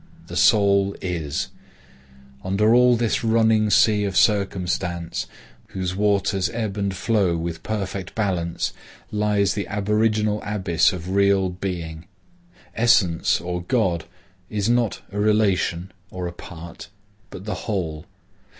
The soul is. Under all this running sea of circumstance, whose waters ebb and flow with perfect balance, lies the aboriginal abyss of real Being. Essence, or God, is not a relation or a part, but the whole.